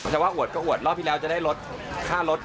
แต่ว่าอวดก็อวดรอบที่แล้วจะได้ลดค่ารถ